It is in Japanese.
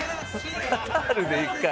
カタールで一回。